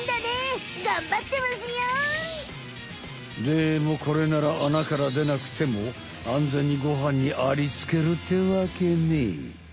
でもこれなら穴からでなくても安全にご飯にありつけるってわけね。